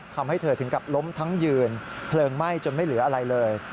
ทำให้เธอถึงกับล้มทั้งยืนเพลิงไหม้จนไม่เหลืออะไรเลย